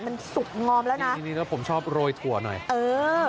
มันสุกงอมแล้วนะนี่นี่ถ้าผมชอบโรยถั่วหน่อยเออ